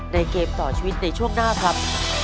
เกมต่อชีวิตในช่วงหน้าครับ